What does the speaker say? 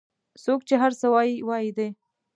څوک چې هر څه وایي وایي دي